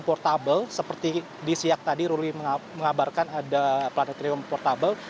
portable seperti di siang tadi ruli mengabarkan ada planetrium portable